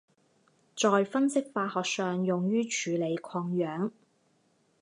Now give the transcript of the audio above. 在分析化学上用于处理矿样。